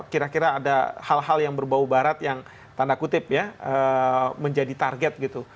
kira kira ada hal hal yang berbau barat yang tanda kutip ya menjadi target gitu